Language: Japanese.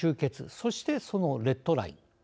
そして、そのレッドライン。